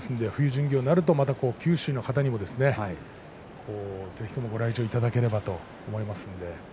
巡業になると九州の方にもぜひともご来場いただければと思います。